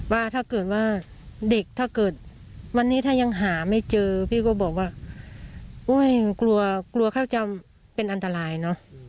ว่าถ้าเกิดว่าเด็กวันนี้ถ้ายังหาไม่เจอพี่ก็บอกว่ากลัวเขาจะเป็นอันตรายเนอะ